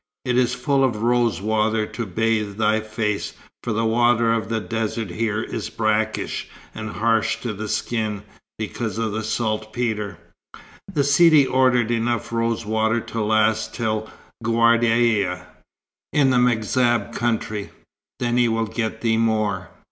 "It is full of rosewater to bathe thy face, for the water of the desert here is brackish, and harsh to the skin, because of saltpetre. The Sidi ordered enough rosewater to last till Ghardaia, in the M'Zab country. Then he will get thee more."